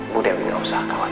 bu dewi tidak usah khawatir